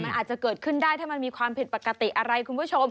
มันอาจจะเกิดขึ้นได้ถ้ามันมีความผิดปกติอะไรคุณผู้ชม